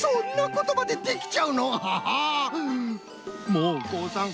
もうこうさん。